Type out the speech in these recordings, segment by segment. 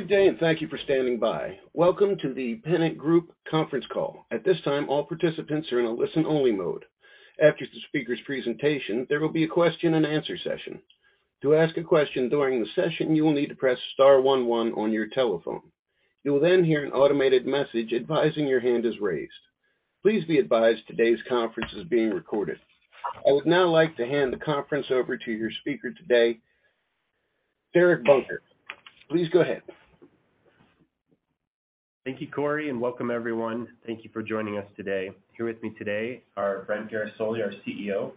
Good day, and thank you for standing by. Welcome to The Pennant Group conference call. At this time, all participants are in a listen-only mode. After the speaker's presentation, there will be a question and answer session. To ask a question during the session, you will need to press star one one on your telephone. You will then hear an automated message advising your hand is raised. Please be advised today's conference is being recorded. I would now like to hand the conference over to your speaker today, Derek Bunker. Please go ahead. Thank you, Corey, and welcome everyone. Thank you for joining us today. Here with me today are Brent Guerisoli, our CEO,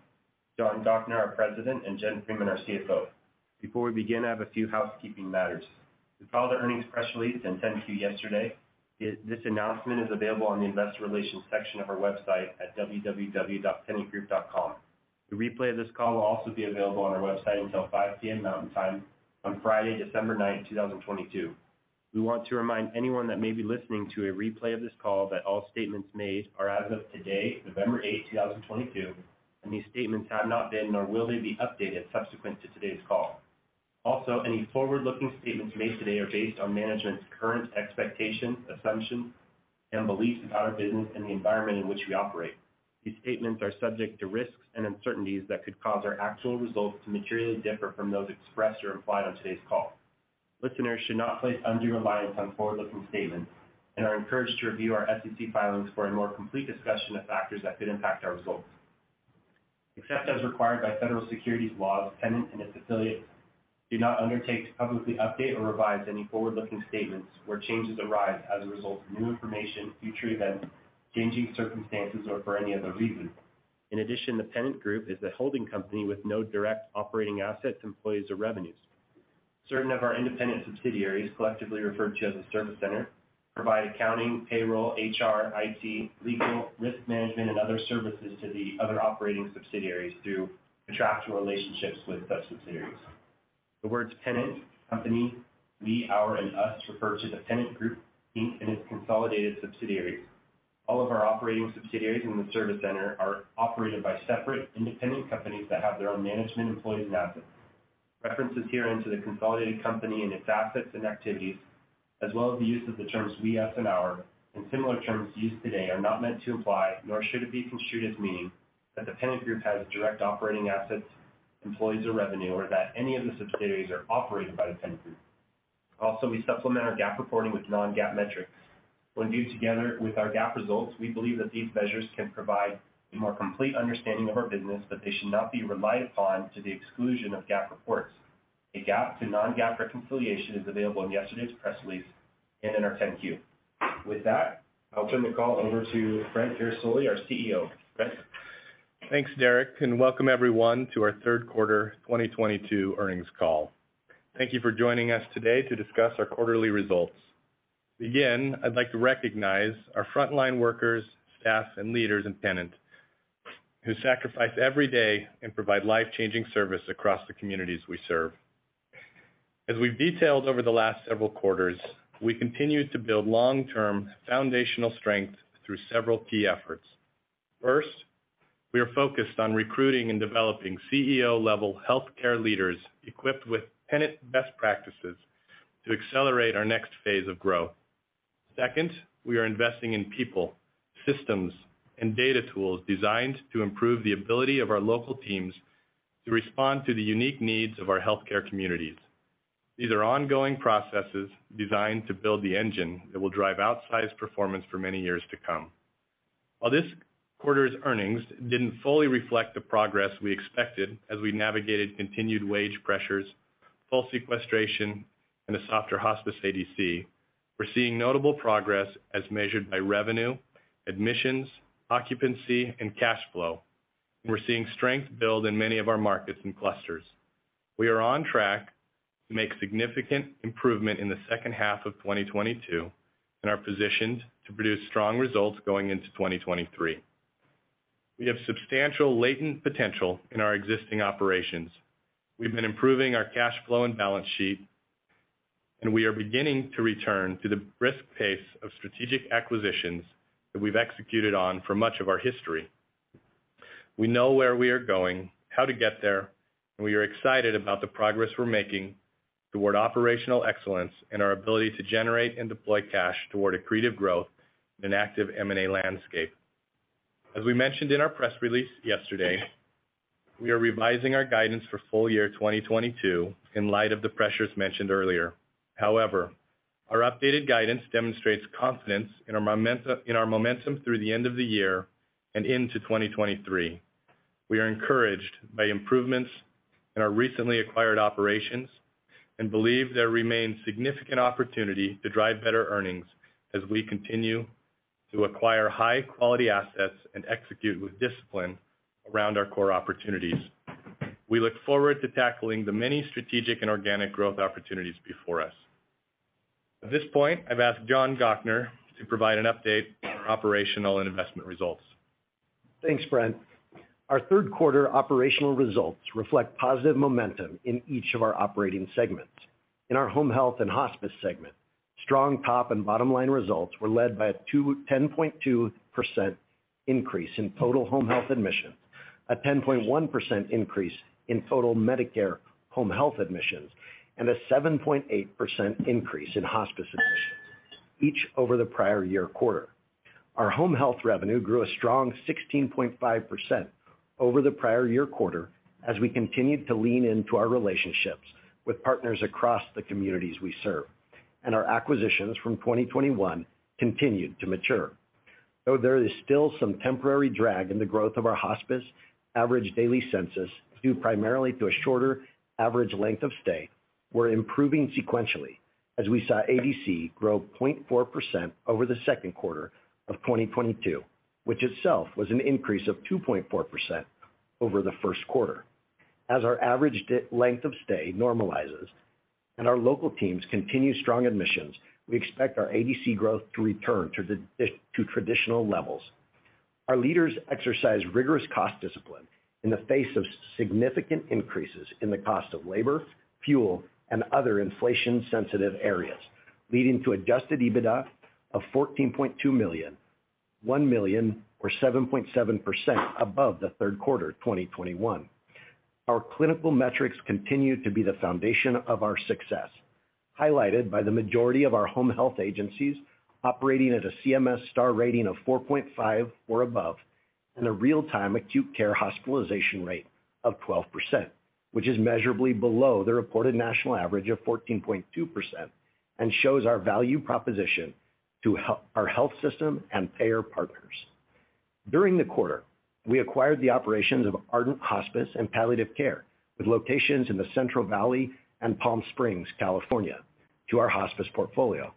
John Gochnour, our president, and Jen Freeman, our CFO. Before we begin, I have a few housekeeping matters. You filed our earnings press release and 10-Q yesterday. This announcement is available on the investor relations section of our website at www.pennantgroup.com. The replay of this call will also be available on our website until 5 P.M. Mountain Time on Friday, December ninth, two thousand and twenty-two. We want to remind anyone that may be listening to a replay of this call that all statements made are as of today, November eighth, two thousand and twenty-two, and these statements have not been nor will they be updated subsequent to today's call. Any forward-looking statements made today are based on management's current expectations, assumptions, and beliefs about our business and the environment in which we operate. These statements are subject to risks and uncertainties that could cause our actual results to materially differ from those expressed or implied on today's call. Listeners should not place undue reliance on forward-looking statements and are encouraged to review our SEC filings for a more complete discussion of factors that could impact our results. Except as required by federal securities laws, Pennant and its affiliates do not undertake to publicly update or revise any forward-looking statements where changes arise as a result of new information, future events, changing circumstances, or for any other reason. In addition, The Pennant Group is a holding company with no direct operating assets, employees, or revenues. Certain of our independent subsidiaries, collectively referred to as a service center, provide accounting, payroll, HR, IT, legal, risk management, and other services to the other operating subsidiaries through contractual relationships with such subsidiaries. The words Pennant, company, we, our, and us refer to The Pennant Group, Inc. and its consolidated subsidiaries. All of our operating subsidiaries in the service center are operated by separate independent companies that have their own management, employees, and assets. References herein to the consolidated company and its assets and activities, as well as the use of the terms we, us, and our, and similar terms used today are not meant to imply, nor should it be construed as meaning that The Pennant Group has direct operating assets, employees, or revenue, or that any of the subsidiaries are operated by The Pennant Group. Also, we supplement our GAAP reporting with non-GAAP metrics. When viewed together with our GAAP results, we believe that these measures can provide a more complete understanding of our business, but they should not be relied upon to the exclusion of GAAP reports. A GAAP to non-GAAP reconciliation is available in yesterday's press release and in our 10-Q. With that, I'll turn the call over to Brent Guerisoli, our CEO. Brent. Thanks, Derek, and welcome everyone to our third quarter 2022 earnings call. Thank you for joining us today to discuss our quarterly results. To begin, I'd like to recognize our frontline workers, staff, and leaders in Pennant who sacrifice every day and provide life-changing service across the communities we serve. As we've detailed over the last several quarters, we continue to build long-term foundational strength through several key efforts. First, we are focused on recruiting and developing CEO-level healthcare leaders equipped with Pennant best practices to accelerate our next phase of growth. Second, we are investing in people, systems, and data tools designed to improve the ability of our local teams to respond to the unique needs of our healthcare communities. These are ongoing processes designed to build the engine that will drive outsized performance for many years to come. While this quarter's earnings didn't fully reflect the progress we expected as we navigated continued wage pressures, full sequestration, and a softer hospice ADC, we're seeing notable progress as measured by revenue, admissions, occupancy, and cash flow, and we're seeing strength build in many of our markets and clusters. We are on track to make significant improvement in the second half of 2022 and are positioned to produce strong results going into 2023. We have substantial latent potential in our existing operations. We've been improving our cash flow and balance sheet, and we are beginning to return to the brisk pace of strategic acquisitions that we've executed on for much of our history. We know where we are going, how to get there, and we are excited about the progress we're making toward operational excellence and our ability to generate and deploy cash toward accretive growth in an active M&A landscape. As we mentioned in our press release yesterday, we are revising our guidance for full year 2022 in light of the pressures mentioned earlier. However, our updated guidance demonstrates confidence in our momentum through the end of the year and into 2023. We are encouraged by improvements in our recently acquired operations and believe there remains significant opportunity to drive better earnings as we continue to acquire high-quality assets and execute with discipline around our core opportunities. We look forward to tackling the many strategic and organic growth opportunities before us. At this point, I've asked John Gochnour to provide an update on our operational and investment results. Thanks, Brent. Our third quarter operational results reflect positive momentum in each of our operating segments. In our home health and hospice segment, strong top and bottom-line results were led by a 10.2% increase in total home health admissions. A 10.1% increase in total Medicare home health admissions and a 7.8% increase in hospice admissions, each over the prior year quarter. Our home health revenue grew a strong 16.5% over the prior year quarter as we continued to lean into our relationships with partners across the communities we serve, and our acquisitions from 2021 continued to mature. Though there is still some temporary drag in the growth of our hospice average daily census, due primarily to a shorter average length of stay, we're improving sequentially as we saw ADC grow 0.4% over the second quarter of 2022, which itself was an increase of 2.4% over the first quarter. As our average length of stay normalizes and our local teams continue strong admissions, we expect our ADC growth to return to traditional levels. Our leaders exercise rigorous cost discipline in the face of significant increases in the cost of labor, fuel, and other inflation-sensitive areas, leading to adjusted EBITDA of $14.2 million, $1 million or 7.7% above the third quarter of 2021. Our clinical metrics continue to be the foundation of our success, highlighted by the majority of our home health agencies operating at a CMS star rating of 4.5 or above and a real-time acute care hospitalization rate of 12%, which is measurably below the reported national average of 14.2% and shows our value proposition to our health system and payer partners. During the quarter, we acquired the operations of Ardent Hospice and Palliative Care, with locations in the Central Valley and Palm Springs, California, to our hospice portfolio.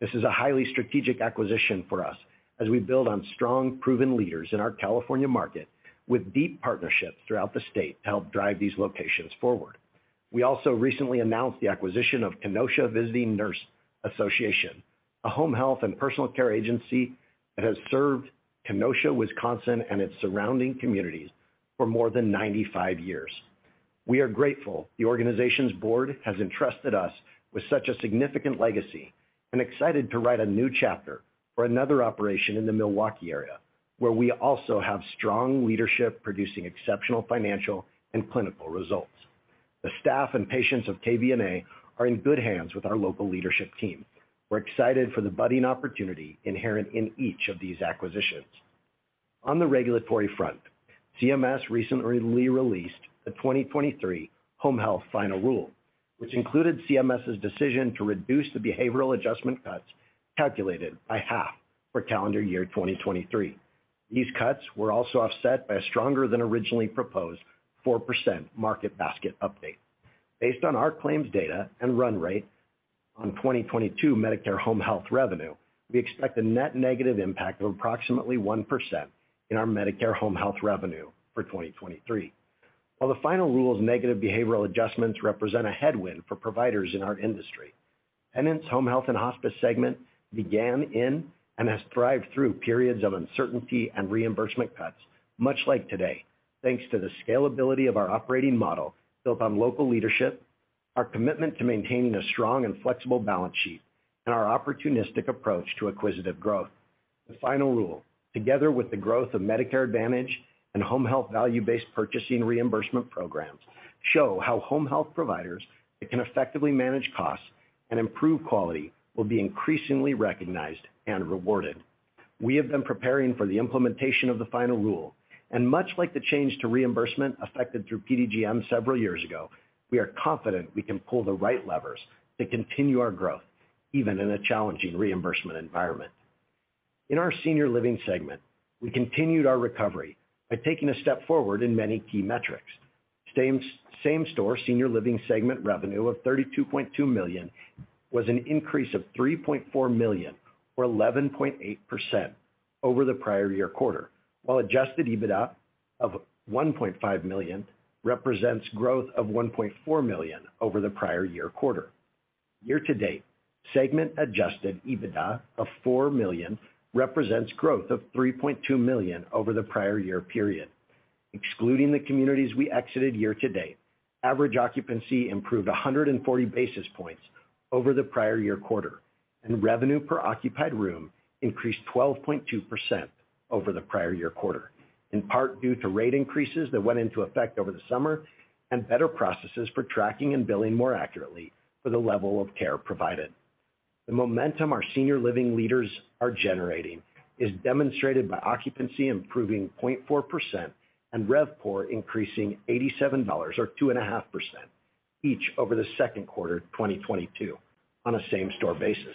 This is a highly strategic acquisition for us as we build on strong, proven leaders in our California market with deep partnerships throughout the state to help drive these locations forward. We also recently announced the acquisition of Kenosha Visiting Nurse Association, a home health and personal care agency that has served Kenosha, Wisconsin, and its surrounding communities for more than 95 years. We are grateful the organization's board has entrusted us with such a significant legacy and excited to write a new chapter for another operation in the Milwaukee area, where we also have strong leadership producing exceptional financial and clinical results. The staff and patients of KVNA are in good hands with our local leadership team. We're excited for the budding opportunity inherent in each of these acquisitions. On the regulatory front, CMS recently released the 2023 Home Health Final Rule, which included CMS's decision to reduce the behavioral adjustment cuts calculated by half for calendar year 2023. These cuts were also offset by a stronger than originally proposed 4% market basket update. Based on our claims data and run rate on 2022 Medicare home health revenue, we expect a net negative impact of approximately 1% in our Medicare home health revenue for 2023. While the final rule's negative behavioral adjustments represent a headwind for providers in our industry, Pennant's home health and hospice segment began in and has thrived through periods of uncertainty and reimbursement cuts, much like today, thanks to the scalability of our operating model built on local leadership, our commitment to maintaining a strong and flexible balance sheet, and our opportunistic approach to acquisitive growth. The final rule, together with the growth of Medicare Advantage and home health value-based purchasing reimbursement programs, show how home health providers that can effectively manage costs and improve quality will be increasingly recognized and rewarded. We have been preparing for the implementation of the final rule, and much like the change to reimbursement affected through PDGM several years ago, we are confident we can pull the right levers to continue our growth, even in a challenging reimbursement environment. In our senior living segment, we continued our recovery by taking a step forward in many key metrics. Same store senior living segment revenue of $32.2 million was an increase of $3.4 million, or 11.8% over the prior year quarter, while adjusted EBITDA of $1.5 million represents growth of $1.4 million over the prior year quarter. Year to date, segment adjusted EBITDA of $4 million represents growth of $3.2 million over the prior year period. Excluding the communities we exited year to date, average occupancy improved 140 basis points over the prior year quarter, and revenue per occupied room increased 12.2% over the prior year quarter, in part due to rate increases that went into effect over the summer and better processes for tracking and billing more accurately for the level of care provided. The momentum our senior living leaders are generating is demonstrated by occupancy improving 0.4% and RevPOR increasing $87 or 2.5%, each over the second quarter of 2022 on a same-store basis.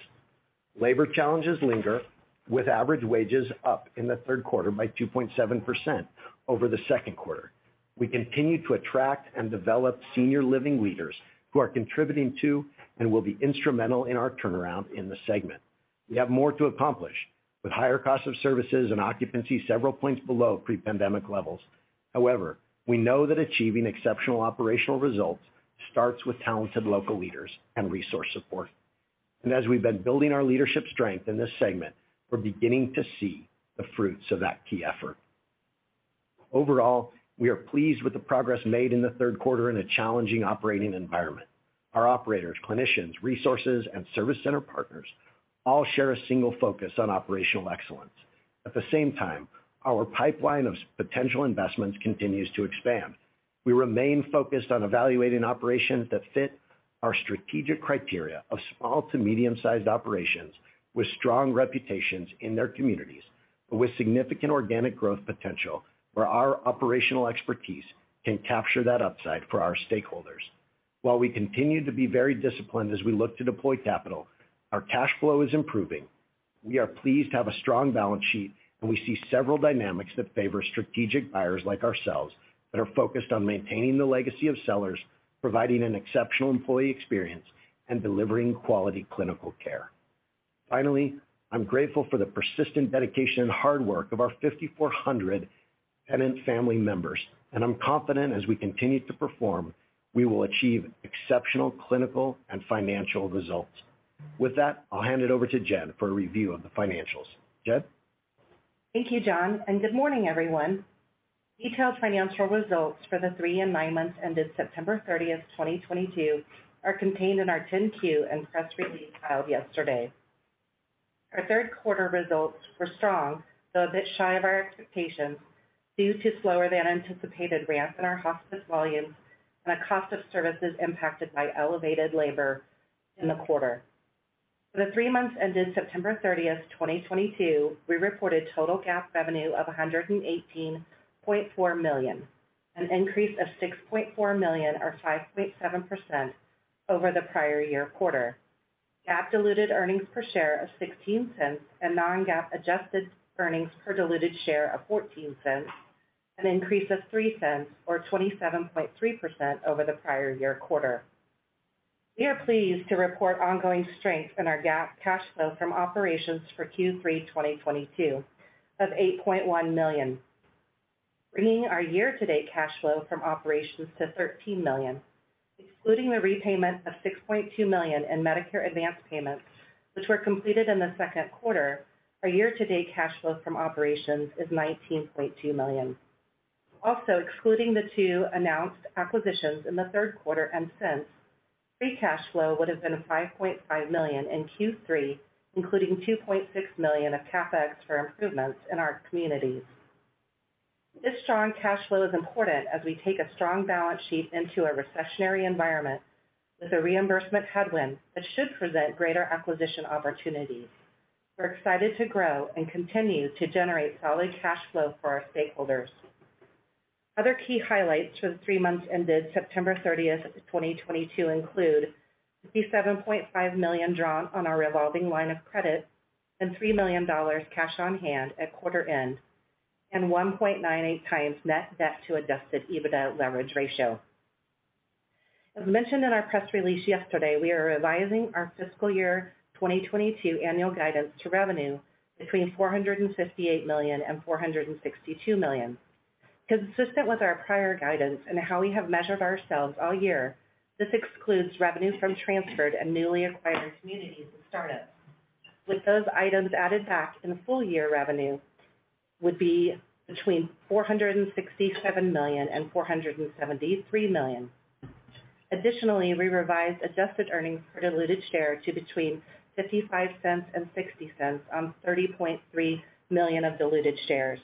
Labor challenges linger, with average wages up in the third quarter by 2.7% over the second quarter. We continue to attract and develop senior living leaders who are contributing to and will be instrumental in our turnaround in the segment. We have more to accomplish with higher costs of services and occupancy several points below pre-pandemic levels. However, we know that achieving exceptional operational results starts with talented local leaders and resource support. As we've been building our leadership strength in this segment, we're beginning to see the fruits of that key effort. Overall, we are pleased with the progress made in the third quarter in a challenging operating environment. Our operators, clinicians, resources, and service center partners all share a single focus on operational excellence. At the same time, our pipeline of potential investments continues to expand. We remain focused on evaluating operations that fit our strategic criteria of small to medium-sized operations with strong reputations in their communities, but with significant organic growth potential where our operational expertise can capture that upside for our stakeholders. While we continue to be very disciplined as we look to deploy capital, our cash flow is improving. We are pleased to have a strong balance sheet, and we see several dynamics that favor strategic buyers like ourselves that are focused on maintaining the legacy of sellers, providing an exceptional employee experience, and delivering quality clinical care. Finally, I'm grateful for the persistent dedication and hard work of our 5,400 Pennant family members, and I'm confident as we continue to perform, we will achieve exceptional clinical and financial results. With that, I'll hand it over to Jen for a review of the financials. Jen. Thank you, John, and good morning, everyone. Detailed financial results for the three and nine months ended September 30, 2022 are contained in our 10-Q and press release filed yesterday. Our third quarter results were strong, though a bit shy of our expectations due to slower than anticipated ramp in our hospice volumes and a cost of services impacted by elevated labor in the quarter. For the three months ended September 30, 2022, we reported total GAAP revenue of $118.4 million, an increase of $6.4 million or 5.7% over the prior year quarter. GAAP diluted earnings per share of $0.16 and non-GAAP adjusted earnings per diluted share of $0.14, an increase of $0.03 or 27.3% over the prior year quarter. We are pleased to report ongoing strength in our GAAP cash flow from operations for Q3 2022 of $8.1 million, bringing our year-to-date cash flow from operations to $13 million. Excluding the repayment of $6.2 million in Medicare advanced payments, which were completed in the second quarter, our year-to-date cash flow from operations is $19.2 million. Also, excluding the two announced acquisitions in the third quarter and since, free cash flow would have been $5.5 million in Q3, including $2.6 million of CapEx for improvements in our communities. This strong cash flow is important as we take a strong balance sheet into a recessionary environment with a reimbursement headwind that should present greater acquisition opportunities. We're excited to grow and continue to generate solid cash flow for our stakeholders. Other key highlights for the three months ended September 30, 2022 include the $57.5 million drawn on our revolving line of credit and $3 million cash on hand at quarter end, and 1.98x net debt to adjusted EBITDA leverage ratio. As mentioned in our press release yesterday, we are revising our fiscal year 2022 annual guidance to revenue between $458 million and $462 million. Consistent with our prior guidance and how we have measured ourselves all year, this excludes revenue from transferred and newly acquired communities and startups. With those items added back in, full-year revenue would be between $467 million and $473 million. Additionally, we revised adjusted earnings per diluted share to between $0.55 and $0.60 on 30.3 million of diluted shares.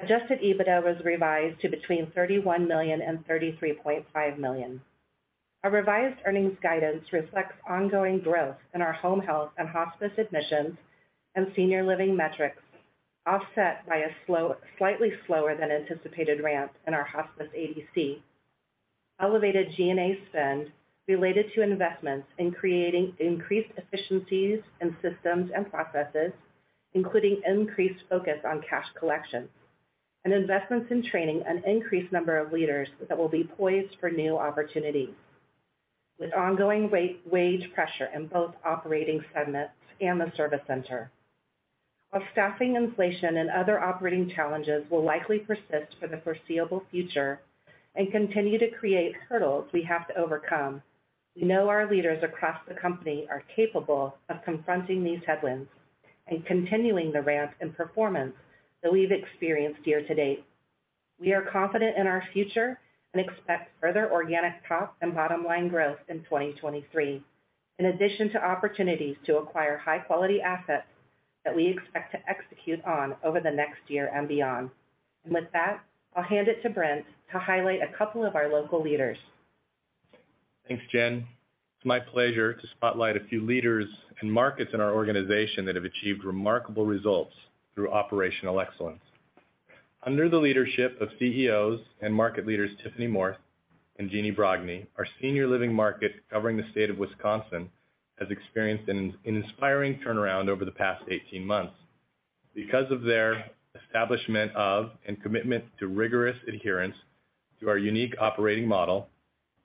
Adjusted EBITDA was revised to between $31 million and $33.5 million. Our revised earnings guidance reflects ongoing growth in our home health and hospice admissions and senior living metrics, offset by a slow, slightly slower than anticipated ramp in our hospice ADC, elevated G&A spend related to investments in creating increased efficiencies in systems and processes, including increased focus on cash collection, and investments in training an increased number of leaders that will be poised for new opportunities with ongoing wage pressure in both operating segments and the service center. While staffing inflation and other operating challenges will likely persist for the foreseeable future and continue to create hurdles we have to overcome, we know our leaders across the company are capable of confronting these headwinds and continuing the ramp in performance that we've experienced year to date. We are confident in our future and expect further organic top and bottom line growth in 2023, in addition to opportunities to acquire high quality assets that we expect to execute on over the next year and beyond. With that, I'll hand it to Brent to highlight a couple of our local leaders. Thanks, Jen. It's my pleasure to spotlight a few leaders and markets in our organization that have achieved remarkable results through operational excellence. Under the leadership of CEOs and market leaders, Tiffany Morse and Jeannie Brogni, our senior living market covering the state of Wisconsin has experienced an inspiring turnaround over the past 18 months. Because of their establishment of and commitment to rigorous adherence to our unique operating model,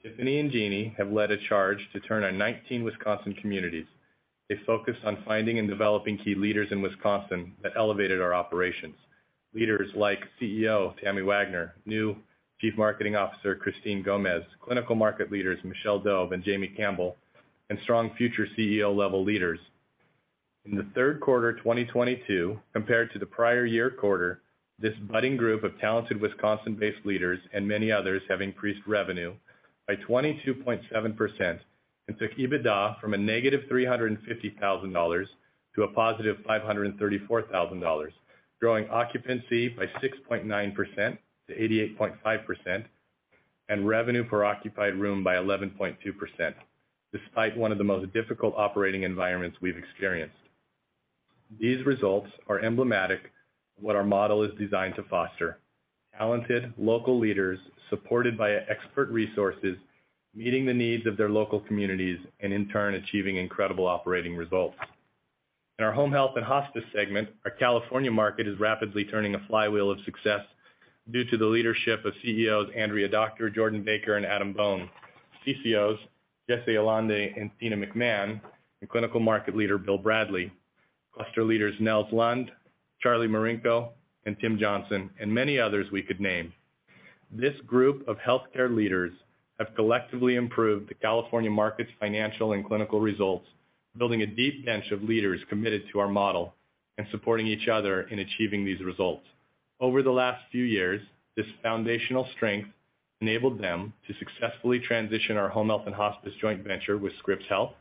Tiffany and Jeannie have led a charge to turn our 19 Wisconsin communities. They focused on finding and developing key leaders in Wisconsin that elevated our operations. Leaders like CEO Tammy Wagner, new Chief Marketing Officer, Christine Gomez, clinical market leaders Michelle Dove and Jamie Campbell, and strong future CEO-level leaders. In the third quarter 2022 compared to the prior year quarter, this budding group of talented Wisconsin-based leaders and many others have increased revenue by 22.7% and took EBITDA from -$350,000 to $534,000, growing occupancy by 6.9% to 88.5% and revenue per occupied room by 11.2%, despite one of the most difficult operating environments we've experienced. These results are emblematic of what our model is designed to foster. Talented local leaders supported by expert resources, meeting the needs of their local communities and in turn, achieving incredible operating results. In our home health and hospice segment, our California market is rapidly turning a flywheel of success due to the leadership of CEOs Andrea Doctor, Jordan Baker, and Adam Bone, CCOs Jesse Alande and Tina McMahon, and Clinical Market Leader Bill Bradley, cluster leaders Nels Lund, Charlie Marinko, and Tim Johnson, and many others we could name. This group of healthcare leaders have collectively improved the California market's financial and clinical results, building a deep bench of leaders committed to our model and supporting each other in achieving these results. Over the last few years, this foundational strength enabled them to successfully transition our home health and hospice joint venture with Scripps Health.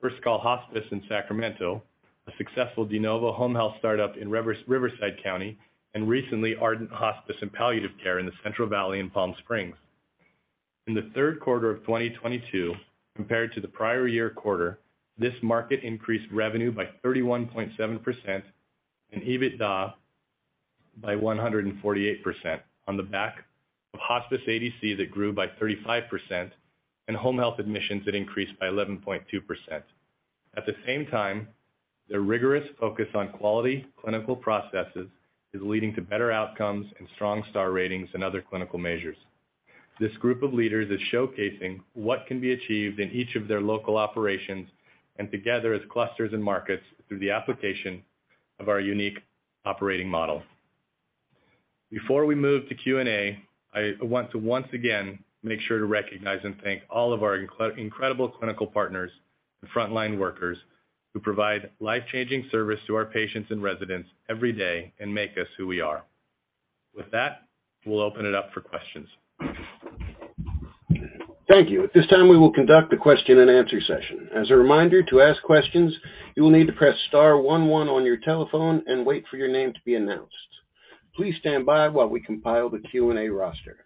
First Call Hospice in Sacramento, a successful de novo home health startup in Riverside County, and recently Ardent Hospice and Palliative Care in the Central Valley in Palm Springs. In the third quarter of 2022 compared to the prior year quarter, this market increased revenue by 31.7% and EBITDA by 148% on the back of hospice ADC that grew by 35% and home health admissions that increased by 11.2%. At the same time, their rigorous focus on quality clinical processes is leading to better outcomes and strong star ratings and other clinical measures. This group of leaders is showcasing what can be achieved in each of their local operations and together as clusters and markets through the application of our unique operating model. Before we move to Q&A, I want to once again make sure to recognize and thank all of our incredible clinical partners and frontline workers who provide life-changing service to our patients and residents every day and make us who we are. With that, we'll open it up for questions. Thank you. At this time, we will conduct a question and answer session. As a reminder, to ask questions, you will need to press star one one on your telephone and wait for your name to be announced. Please stand by while we compile the Q&A roster.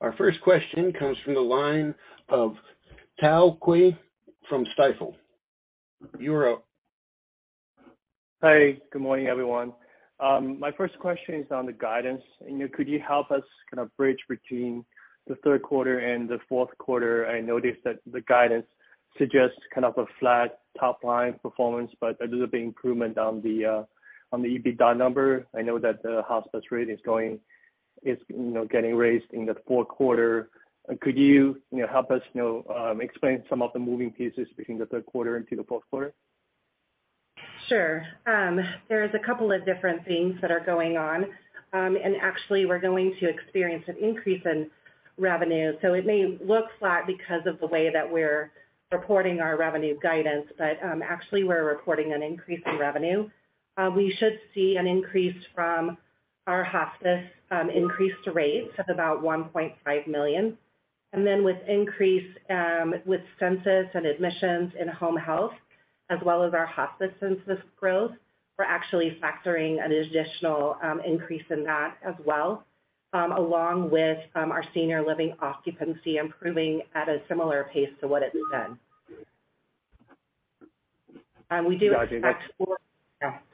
Our first question comes from the line of Tao Qiu from Stifel. You're up. Hi. Good morning, everyone. My first question is on the guidance. Could you help us kind of bridge between the third quarter and the fourth quarter? I noticed that the guidance suggests kind of a flat top line performance, but a little bit improvement on the EBITDA number. I know that the hospice rate is getting raised in the fourth quarter. Could you know, help us, you know, explain some of the moving pieces between the third quarter into the fourth quarter? Sure. There's a couple of different things that are going on, and actually we're going to experience an increase in revenue. It may look flat because of the way that we're reporting our revenue guidance, but actually we're reporting an increase in revenue. We should see an increase from our hospice increased rates of about $1.5 million. With increase with census and admissions in home health as well as our hospice census growth, we're actually factoring an additional increase in that as well, along with our senior living occupancy improving at a similar pace to what it's been. We do expect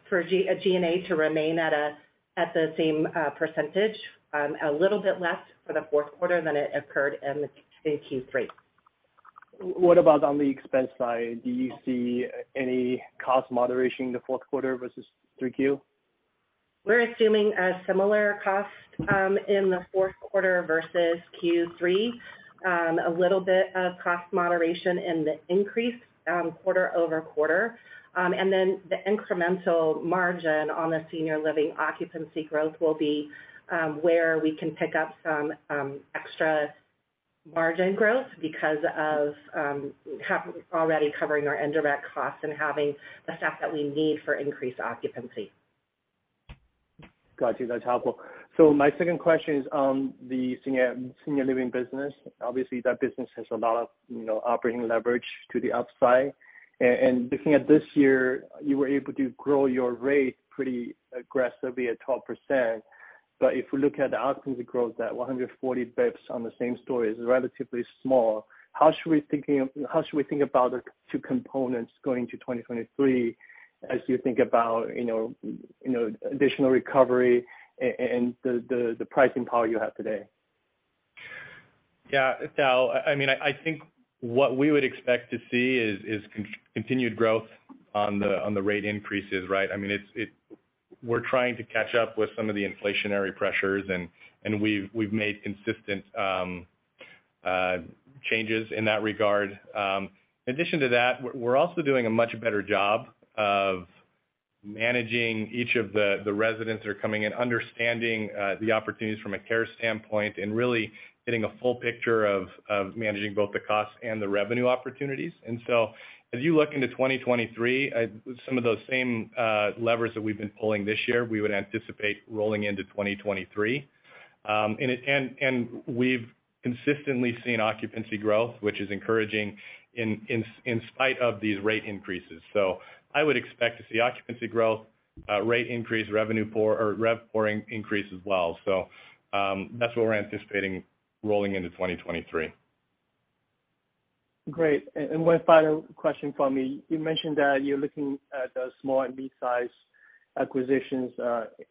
for G&A to remain at the same percentage, a little bit less for the fourth quarter than it occurred in Q3. What about on the expense side? Do you see any cost moderation in the fourth quarter versus 3Q? We're assuming a similar cost in the fourth quarter versus Q3. A little bit of cost moderation in the increase quarter-over-quarter. The incremental margin on the senior living occupancy growth will be where we can pick up some extra margin growth because of already covering our indirect costs and having the staff that we need for increased occupancy. Got you. That's helpful. My second question is on the senior living business. Obviously, that business has a lot of, you know, operating leverage to the upside. And looking at this year, you were able to grow your rate pretty aggressively at 12%. If we look at the occupancy growth at 140 basis points on the same store is relatively small. How should we think about the two components going to 2023, as you think about, you know, additional recovery and the pricing power you have today? Yeah. I mean, I think what we would expect to see is continued growth on the rate increases, right? I mean, it's. We're trying to catch up with some of the inflationary pressures, and we've made consistent changes in that regard. In addition to that, we're also doing a much better job of managing each of the residents that are coming in, understanding the opportunities from a care standpoint, and really getting a full picture of managing both the cost and the revenue opportunities. As you look into 2023, some of those same levers that we've been pulling this year, we would anticipate rolling into 2023. We've consistently seen occupancy growth, which is encouraging in spite of these rate increases. I would expect to see occupancy growth, rate increase, RevPOR increase as well. That's what we're anticipating rolling into 2023. Great. One final question from me. You mentioned that you're looking at the small and mid-size acquisitions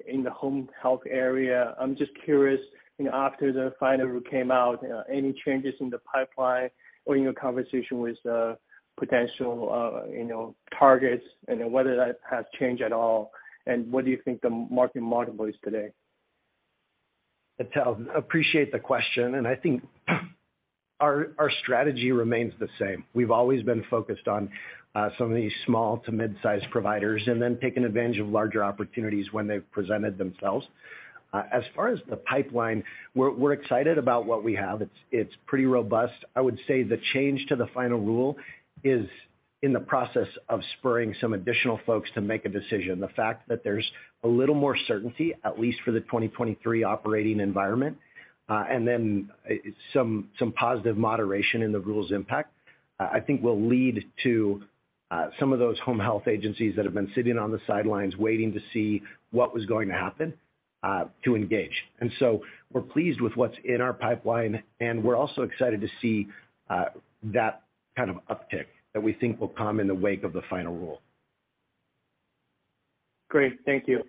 in the home health area. I'm just curious, you know, after the final rule came out, any changes in the pipeline or in your conversation with the potential, you know, targets and then whether that has changed at all, and what do you think the market multiple is today? Tao, appreciate the question, and I think our strategy remains the same. We've always been focused on some of these small to mid-size providers and then taken advantage of larger opportunities when they've presented themselves. As far as the pipeline, we're excited about what we have. It's pretty robust. I would say the change to the final rule is in the process of spurring some additional folks to make a decision. The fact that there's a little more certainty, at least for the 2023 operating environment, and then some positive moderation in the rules impact, I think will lead to some of those home health agencies that have been sitting on the sidelines waiting to see what was going to happen to engage. We're pleased with what's in our pipeline, and we're also excited to see that kind of uptick that we think will come in the wake of the final rule. Great. Thank you.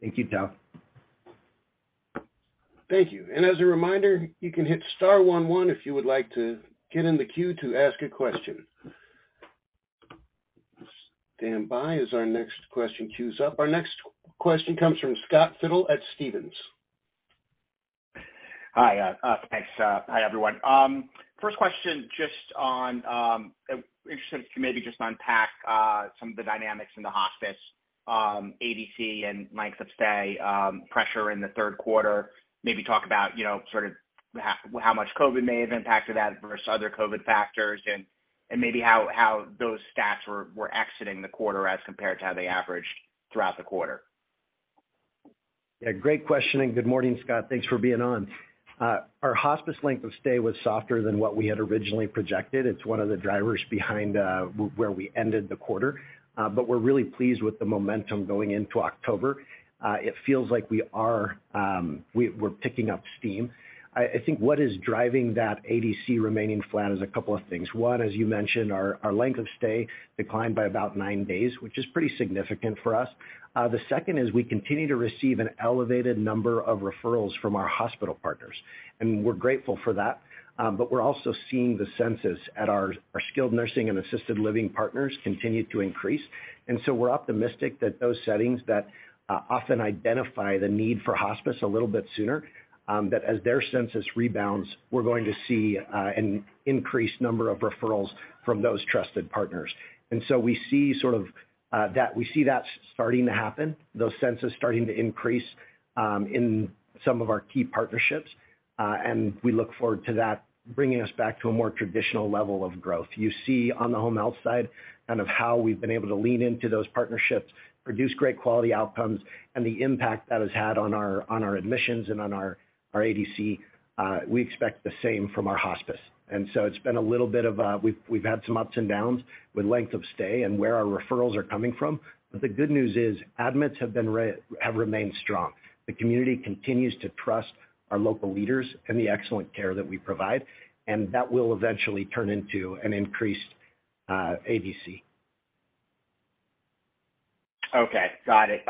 Thank you, Tao. Thank you. As a reminder, you can hit star one one if you would like to get in the queue to ask a question. Stand by as our next question queues up. Our next question comes from Scott Fidel at Stephens. Hi, thanks. Hi, everyone. First question, just on, interested if you maybe just unpack some of the dynamics in the hospice ADC and length of stay pressure in the third quarter. Maybe talk about, you know, sort of how much COVID may have impacted that versus other COVID factors, and maybe how those stats were exiting the quarter as compared to how they averaged throughout the quarter. Yeah, great question, and good morning, Scott. Thanks for being on. Our hospice length of stay was softer than what we had originally projected. It's one of the drivers behind where we ended the quarter, but we're really pleased with the momentum going into October. It feels like we are, we're picking up steam. I think what is driving that ADC remaining flat is a couple of things. One, as you mentioned, our length of stay declined by about nine days, which is pretty significant for us. The second is we continue to receive an elevated number of referrals from our hospital partners, and we're grateful for that. But we're also seeing the census at our skilled nursing and assisted living partners continue to increase. We're optimistic that those settings that often identify the need for hospice a little bit sooner, that as their census rebounds, we're going to see an increased number of referrals from those trusted partners. We see sort of that. We see that starting to happen, those census starting to increase in some of our key partnerships, and we look forward to that bringing us back to a more traditional level of growth. You see on the home health side kind of how we've been able to lean into those partnerships, produce great quality outcomes, and the impact that has had on our admissions and on our ADC. We expect the same from our hospice. It's been a little bit of, we've had some ups and downs with length of stay and where our referrals are coming from. The good news is admits have remained strong. The community continues to trust our local leaders and the excellent care that we provide, and that will eventually turn into an increased ADC. Okay. Got it.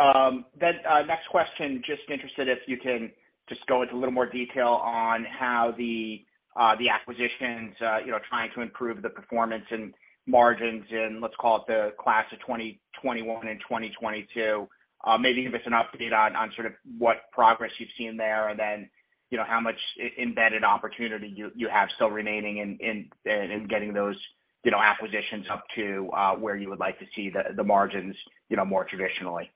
Next question, just interested if you can just go into a little more detail on how the acquisitions, you know, trying to improve the performance and margins in, let's call it the class of 2021 and 2022. Maybe give us an update on sort of what progress you've seen there and then, you know, how much embedded opportunity you have still remaining in getting those, you know, acquisitions up to where you would like to see the margins, you know, more traditionally.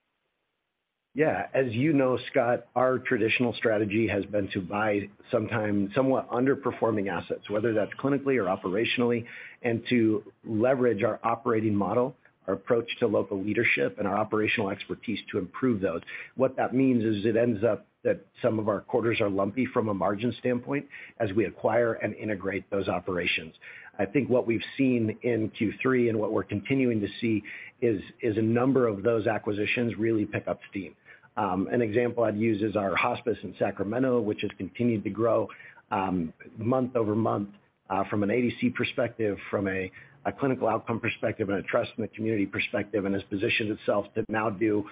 Yeah. As you know, Scott, our traditional strategy has been to buy somewhat underperforming assets, whether that's clinically or operationally, and to leverage our operating model, our approach to local leadership, and our operational expertise to improve those. What that means is it ends up that some of our quarters are lumpy from a margin standpoint as we acquire and integrate those operations. I think what we've seen in Q3 and what we're continuing to see is a number of those acquisitions really pick up steam. An example I'd use is our hospice in Sacramento, which has continued to grow month-over-month from an ADC perspective, from a clinical outcome perspective, and a trust in the community perspective, and has positioned itself to now do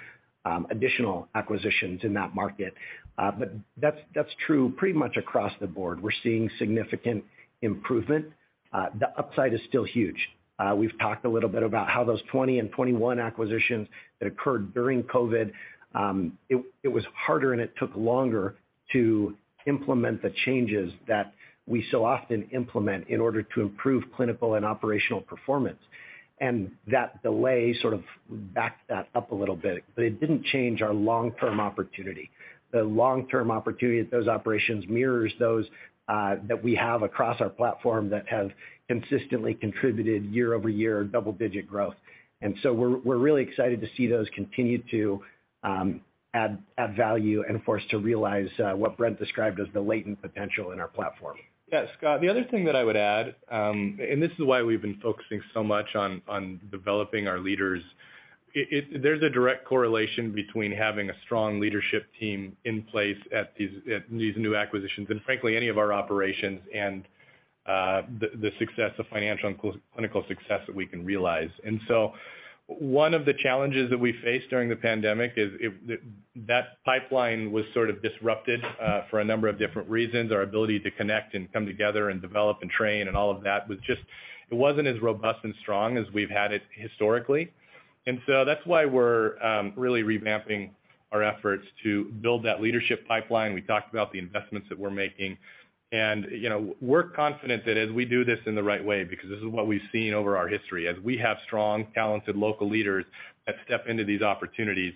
additional acquisitions in that market. But that's true pretty much across the board. We're seeing significant improvement. The upside is still huge. We've talked a little bit about how those 20 and 21 acquisitions that occurred during COVID, it was harder and it took longer to implement the changes that we so often implement in order to improve clinical and operational performance. That delay sort of backed that up a little bit, but it didn't change our long-term opportunity. The long-term opportunity at those operations mirrors those that we have across our platform that have consistently contributed year-over-year double-digit growth. We're really excited to see those continue to add value and for us to realize what Brent described as the latent potential in our platform. Yeah, Scott, the other thing that I would add, and this is why we've been focusing so much on developing our leaders. There's a direct correlation between having a strong leadership team in place at these new acquisitions, and frankly, any of our operations and the success of financial and clinical success that we can realize. One of the challenges that we faced during the pandemic is that pipeline was sort of disrupted for a number of different reasons. Our ability to connect and come together and develop and train and all of that was just. It wasn't as robust and strong as we've had it historically. That's why we're really revamping our efforts to build that leadership pipeline. We talked about the investments that we're making. You know, we're confident that as we do this in the right way, because this is what we've seen over our history, as we have strong, talented local leaders that step into these opportunities,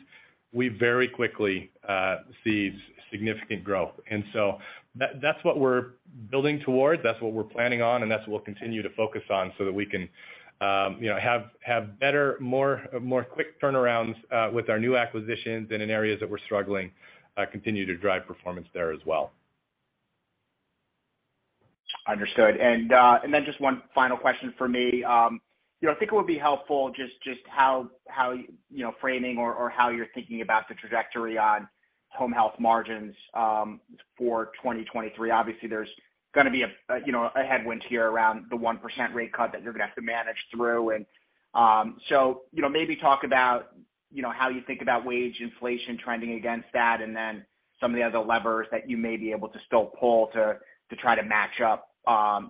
we very quickly see significant growth. That's what we're building towards, that's what we're planning on, and that's what we'll continue to focus on so that we can, you know, have better, more quick turnarounds with our new acquisitions and in areas that we're struggling, continue to drive performance there as well. Understood. Then just one final question from me. You know, I think it would be helpful just how you're thinking about the trajectory on home health margins for 2023. Obviously, there's gonna be a you know, a headwind here around the 1% rate cut that you're gonna have to manage through. You know, maybe talk about you know, how you think about wage inflation trending against that, and then some of the other levers that you may be able to still pull to try to match up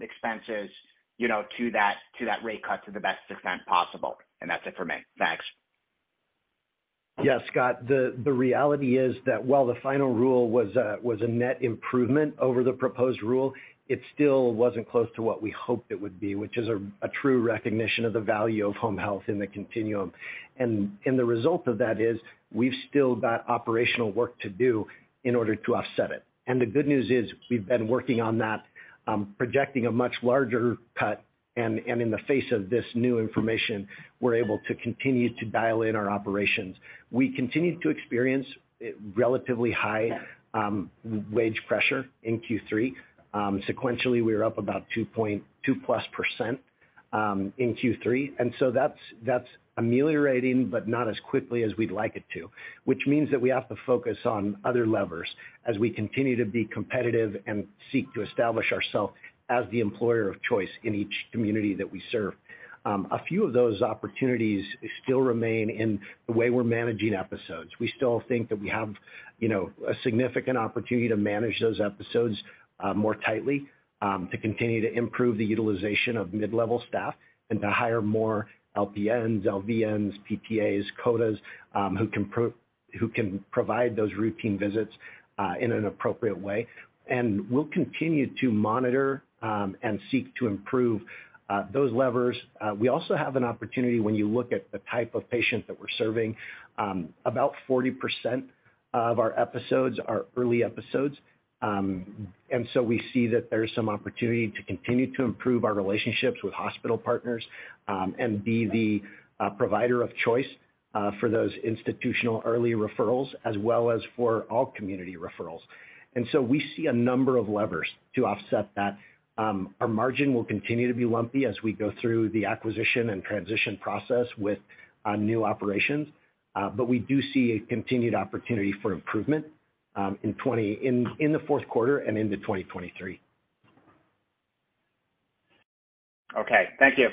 expenses you know, to that rate cut to the best extent possible. That's it for me. Thanks. Yeah, Scott. The reality is that while the final rule was a net improvement over the proposed rule, it still wasn't close to what we hoped it would be, which is a true recognition of the value of home health in the continuum. The result of that is we've still got operational work to do in order to offset it. The good news is, we've been working on that, projecting a much larger cut, and in the face of this new information, we're able to continue to dial in our operations. We continue to experience relatively high wage pressure in Q3. Sequentially, we're up about 2%+ in Q3. That's ameliorating, but not as quickly as we'd like it to, which means that we have to focus on other levers as we continue to be competitive and seek to establish ourselves as the employer of choice in each community that we serve. A few of those opportunities still remain in the way we're managing episodes. We still think that we have, you know, a significant opportunity to manage those episodes more tightly to continue to improve the utilization of mid-level staff and to hire more LPNs, LVNs, PTAs, codas who can provide those routine visits in an appropriate way. We'll continue to monitor and seek to improve those levers. We also have an opportunity when you look at the type of patient that we're serving. About 40% of our episodes are early episodes. We see that there's some opportunity to continue to improve our relationships with hospital partners, and be the provider of choice for those institutional early referrals, as well as for all community referrals. We see a number of levers to offset that. Our margin will continue to be lumpy as we go through the acquisition and transition process with new operations. We do see a continued opportunity for improvement in the fourth quarter and into 2023. Okay. Thank you.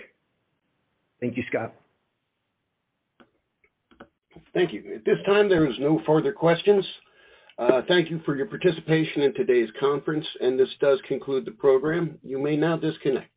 Thank you, Scott. Thank you. At this time, there is no further questions. Thank you for your participation in today's conference, and this does conclude the program. You may now disconnect.